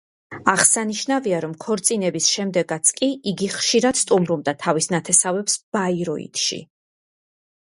აღსანიშნავია, რომ ქორწინების შემდეგაც კი, იგი ხშირად სტუმრობდა თავის ნათესავებს ბაიროითში.